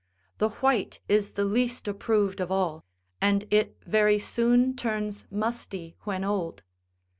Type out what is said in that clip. The white is the least approved of all, and it very soon turns musty when old.